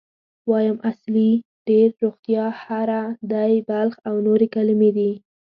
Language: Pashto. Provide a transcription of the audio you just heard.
وایم، اصلي، ډېر، روغتیا، هره، دی، بلخ او نورې کلمې دي.